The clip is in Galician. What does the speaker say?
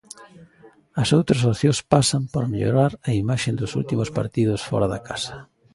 As outras opcións pasan por mellorar a imaxe dos últimos partidos fóra da casa.